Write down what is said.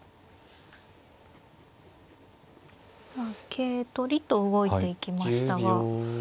桂取りと動いていきましたが。